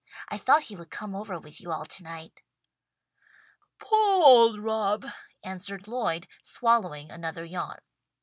I thought he would come over with you all tonight." "Poah old Rob," answered Lloyd, swallowing another yawn.